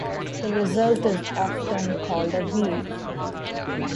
The result is often called a "weave".